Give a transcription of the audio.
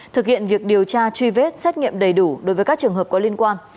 thực hiện việc điều tra truy vết xét nghiệm đầy đủ đối với các trường hợp có liên quan